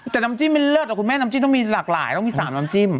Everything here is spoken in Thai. แต่น้ำจิ้มมันเลิศอ่ะคุณแม่น้ำจิ้มต้องมีหลากหลายต้องมี๓น้ำจิ้ม